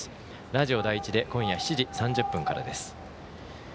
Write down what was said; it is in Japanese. ラジオ第一で今夜７時３０分からです。